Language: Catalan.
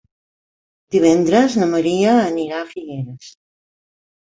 Divendres na Maria anirà a Figueres.